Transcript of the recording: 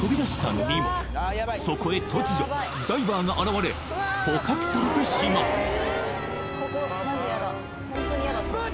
そこへ突如ダイバーが現れ捕獲されてしまうパパー！